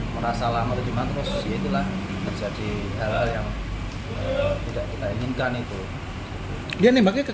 merasa lama terjemahan terus yaitulah terjadi hal hal yang tidak kita inginkan itu dia nembaknya